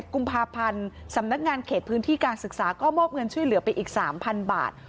กุมภาพันธ์สำนักงานเขตพื้นที่การศึกษาก็มอบเงินช่วยเหลือไปอีก๓๐๐บาท